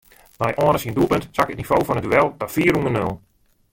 Nei Anne syn doelpunt sakke it nivo fan it duel ta fier ûnder nul.